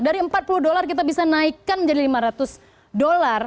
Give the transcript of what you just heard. dari empat puluh dolar kita bisa naikkan menjadi lima ratus dolar